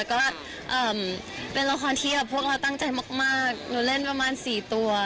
ก็เป็นละครเทียบพวกเราตั้งใจมากหนูเล่นประมาณ๔ตัว